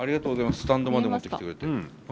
スタンドまで持ってきてくれて。